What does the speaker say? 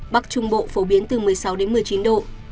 bắc trung bộ phổ biến từ một mươi sáu đến một mươi chín độ